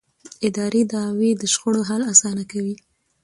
اداري دعوې د شخړو حل اسانه کوي.